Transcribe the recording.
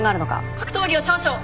格闘技を少々。